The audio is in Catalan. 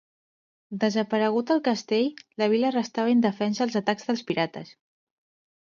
Desaparegut el castell, la vila restava indefensa als atacs dels pirates.